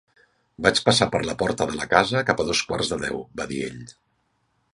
"Vaig passar per la porta de la casa cap a dos quarts de deu", va dir ell.